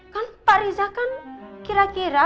kan pak riza kan kira kira